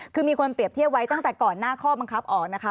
คือมีคนเปรียบเทียบไว้ตั้งแต่ก่อนหน้าข้อบังคับออกนะคะ